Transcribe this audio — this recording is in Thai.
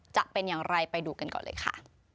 จะเป็นอย่างไรไปดูกันก่อนเลยค่ะ